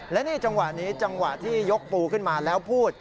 และนี่จังหวะนี้จังหวะที่ยกปูขึ้นมาแล้วพูด